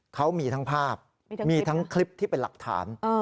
เขามีทั้งภาพมีทั้งคลิปที่เป็นหลักฐาน